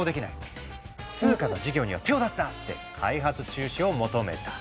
通貨の事業には手を出すな！」って開発中止を求めた。